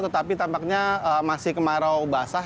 tetapi tampaknya masih kemarau basah